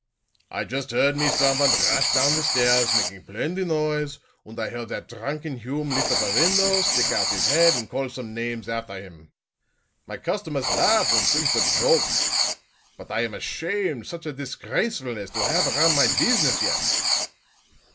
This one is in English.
I just heard me someone rush down the stairs, making plendy noise, und I heard that drunken Hume lift up a window, stick out his head and call some names after him. My customers laugh und think it's a joke; but I am ashamed such a disgracefulness to have around my business yet."